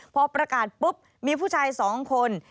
พอประกาศปุ๊บมีผู้ชาย๒คน